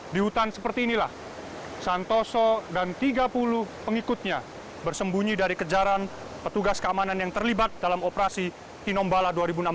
di hutan seperti inilah santoso dan tiga puluh pengikutnya bersembunyi dari kejaran petugas keamanan yang terlibat dalam operasi tinombala dua ribu enam belas